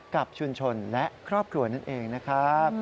กับชุมชนและครอบครัวนั่นเองนะครับ